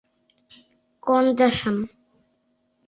— Кондышым...